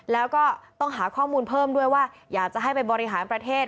แล้วก็ต้องหาข้อมูลเพิ่มด้วยว่าอยากจะให้ไปบริหารประเทศ